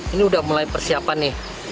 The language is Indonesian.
ini udah mulai persiapan nih